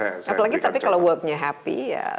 apalagi kalau worknya happy ya